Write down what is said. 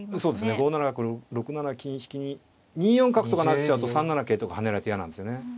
５七角６七金引に２四角とかなっちゃうと３七桂とか跳ねられて嫌なんですよね。